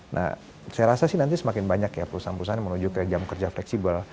nah saya rasa sih nanti semakin banyak ya perusahaan perusahaan yang menuju ke jam kerja fleksibel